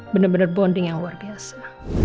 benar benar bonding yang luar biasa